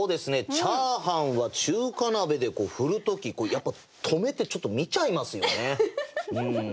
チャーハンは中華鍋で振る時やっぱ止めてちょっと見ちゃいますよね。